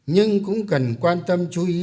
nhưng cũng cần quan tâm chú ý